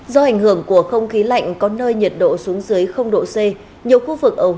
do ảnh hưởng của không khí lạnh có nơi nhiệt độ xuống dưới độ c